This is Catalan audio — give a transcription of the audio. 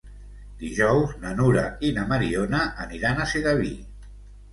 Dijous na Nura i na Mariona aniran a Sedaví.